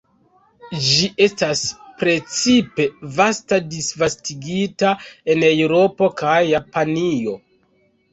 Ĝi estas precipe vasta disvastigita en Eŭropo kaj Japanio.